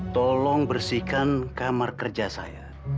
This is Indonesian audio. tolong bersihkan kamar kerja saya